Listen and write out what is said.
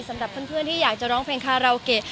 สำหรับเพื่อนที่อยากจะร้องเพลงคาราโอเกะ